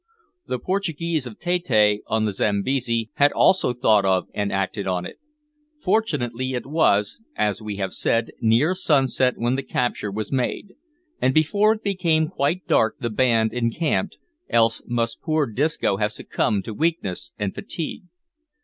The Portuguese of Tette on the Zambesi had also thought of and acted on it! Fortunately it was, as we have said, near sunset when the capture was made, and before it became quite dark the band encamped, else must poor Disco have succumbed to weakness and fatigue.